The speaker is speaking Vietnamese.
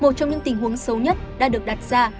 một trong những tình huống xấu nhất đã được đặt ra